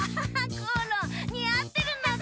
コロンにあってるのだ！